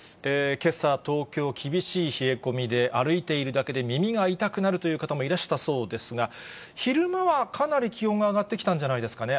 けさ、東京、厳しい冷え込みで、歩いているだけで耳が痛くなるという方もいらしたそうですが、昼間はかなり気温が上がってきたんじゃないですかね。